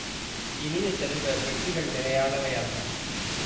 இனிய செல்வ, வெற்றிகள் நிலையானவை அல்ல.